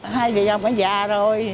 hai vợ chồng đã già rồi